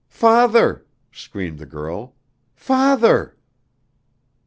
"Father!" screamed the girl. "Father!"